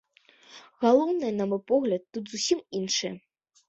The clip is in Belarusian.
Галоўнае, на мой погляд, тут зусім іншае.